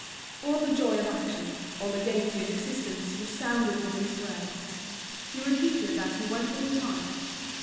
All the joy of action, all the gaiety of existence, resounded in these words. He repeated that he went with the times.